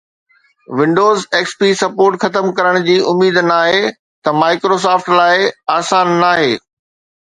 windows XP لاءِ support ختم ڪرڻ جي اميد ناهي ته Microsoft لاءِ آسان ناهي